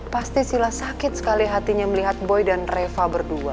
pasti sila sakit sekali hatinya melihat boy dan reva berdua